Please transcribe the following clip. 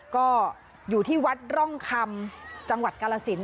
ก็อยู่ที่วัดร่องคำจังหวัดกาลสิน